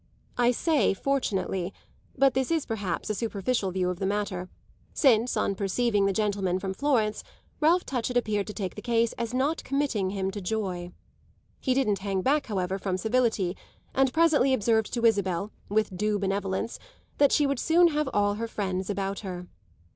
I say fortunately, but this is perhaps a superficial view of the matter; since on perceiving the gentleman from Florence Ralph Touchett appeared to take the case as not committing him to joy. He didn't hang back, however, from civility, and presently observed to Isabel, with due benevolence, that she would soon have all her friends about her.